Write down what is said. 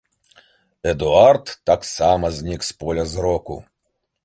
Эдуард таксама знік з поля зроку.